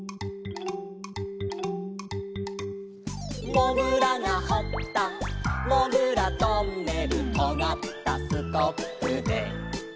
「もぐらがほったもぐらトンネル」「とがったスコップで」